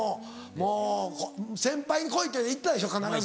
もう先輩に「来い」って行ったでしょ必ず。